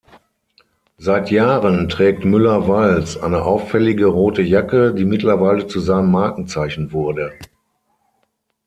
Seit Jahren trägt Müller-Walz eine auffällige rote Jacke, die mittlerweile zu seinem Markenzeichen wurde.